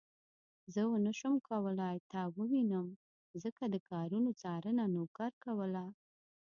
زه ونه شوم کولای تا ووينم ځکه د کارونو څارنه نوکر کوله.